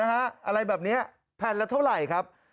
อะไรแบบนี้แผ่นละเท่าไหร่ครับ